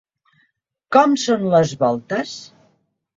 Com són les voltes?